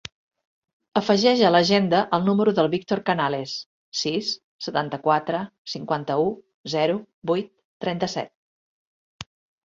Afegeix a l'agenda el número del Víctor Canales: sis, setanta-quatre, cinquanta-u, zero, vuit, trenta-set.